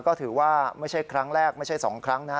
ก็ถือว่าไม่ใช่ครั้งแรกไม่ใช่๒ครั้งนะ